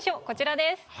こちらです。